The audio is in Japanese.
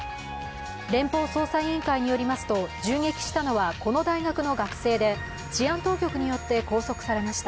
連邦捜査委員会によりますと、銃撃したのはこの大学の学生で治安当局によって拘束されました。